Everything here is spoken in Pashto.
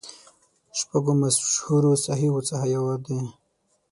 شپږو مشهورو صحیحو څخه یوه ده.